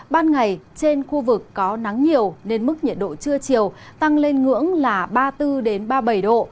ban ngày trên khu vực có nắng nhiều nên mức nhiệt độ trưa chiều tăng lên ngưỡng là ba mươi bốn ba mươi bảy độ